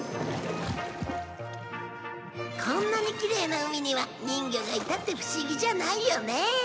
こんなにきれいな海には人魚がいたって不思議じゃないよね